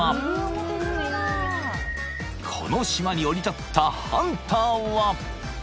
［この島に降り立ったハンターは］